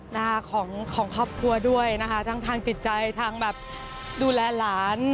นะคะของของครอบครัวด้วยนะคะทั้งทางจิตใจทางแบบดูแลหลาน